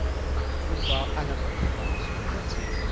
Boulevard Anatole-France, Poitiers